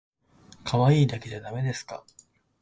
かわいいだけじゃだめですか